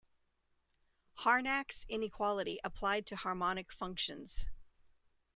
Harnack's inequality applied to harmonic functions.